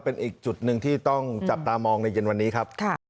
เป็นอีกจุดหนึ่งที่ต้องจับตามองในเย็นวันนี้ครับ